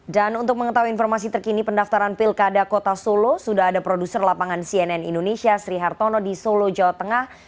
dan untuk mengetahui informasi terkini pendaftaran pilkada kota solo sudah ada produser lapangan cnn indonesia sri hartono di solo jawa tengah